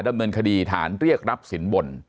ดำเนินคดีฐานเรียกรับสินบน